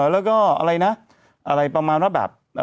และก็อะไรนะ